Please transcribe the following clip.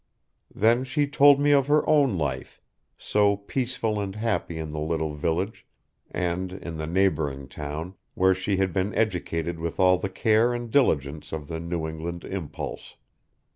Then she told me of her own life, so peaceful and happy in the little village, and in the neighboring town, where she had been educated with all the care and diligence of the New England impulse.